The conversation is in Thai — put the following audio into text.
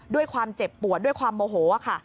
ด้วยความเจ็บปวดด้วยความโมโหค่ะ